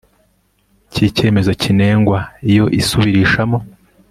ry icyemezo kinengwa Iyo isubirishamo